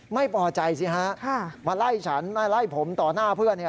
ไม่พอใจสิฮะมาไล่ฉันมาไล่ผมต่อหน้าเพื่อน